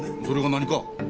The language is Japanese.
それが何か？